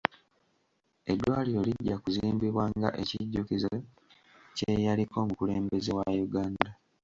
Eddwaliro lijja kuzimbibwa nga ekijjukizo ky'eyaliko omukulembeze wa Uganda.